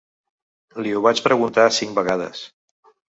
Li ho vaig preguntar cinc vegades.